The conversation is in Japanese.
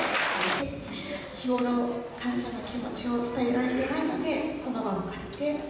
日頃、感謝の気持ちを伝えられていないので、この場を借りて。